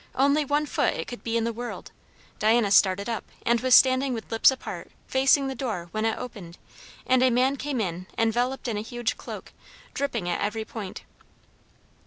Only one foot it could be in the world; Diana started up, and was standing with lips apart, facing the door, when it opened, and a man came in enveloped in a huge cloak, dripping at every point.